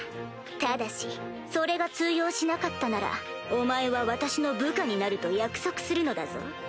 ただしそれが通用しなかったならお前は私の部下になると約束するのだぞ？